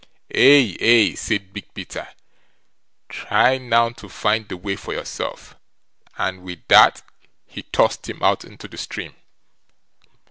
"Aye, aye", said Big Peter; "try now to find the way for yourself"; and with that, he tossed him out into the stream.